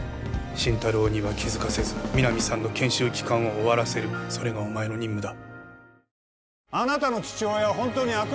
心太朗には気づかせず皆実さんの研修期間を終わらせるそれがお前の任務だ